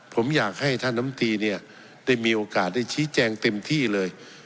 ผมอยากให้ท่านน้ำตีเนี่ยได้มีโอกาสได้ชี้แจงเต็มที่เลย